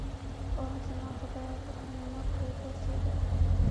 اوه، زما خدایه ته خو مې مړ کړې. بس يې ده.